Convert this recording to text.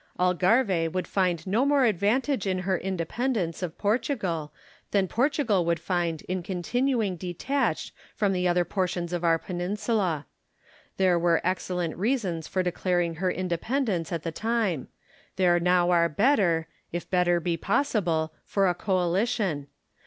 Algarve would find no more advantage in her independence of Portugal, than Portugal would find in continuing detached from the other portions of our peninsula. There were excellent reasons for declaring her independence at the time ; there now are better, if better be possible, for a coalition.